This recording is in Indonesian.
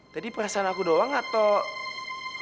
tadi perasaan aku doang atau